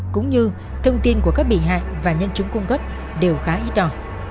cũng như thông tin của các bị hại và nhân chúng cung cấp đều khá ít đỏ